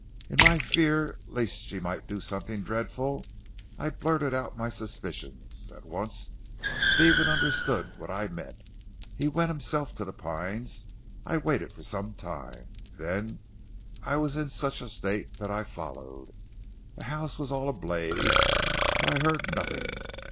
In my fear lest she might do something dreadful I blurted out my suspicions. At once Stephen understood what I meant. He went himself to 'The Pines;' I waited for some time. Then I was in such a state that I followed. The house was all ablaze, but I heard nothing.